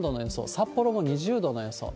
札幌も２０度の予想。